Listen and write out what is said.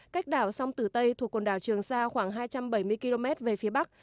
cách đảo sông tử tây thuộc quần đảo trường sa khoảng hai trăm bảy mươi km về phía bắc